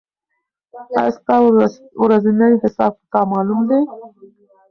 آیا ستا ورځنی حساب کتاب معلوم دی؟